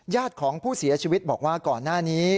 ญาติของผู้เสียชีวิตบอกว่าก่อนหน้านี้